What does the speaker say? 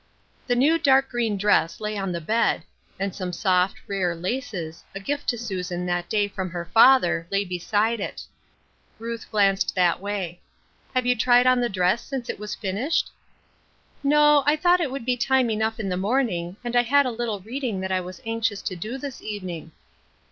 The new dark green dress lay on the bed, and some soft, rare laces, a gift to Susan that day from her father, lay beside it. Ruth glanced that way, " Have you tried on the dress since it was finished ?"" No, I thought it would be time enough in the morning, and I had a little reading that 1 was anxious to do this evening."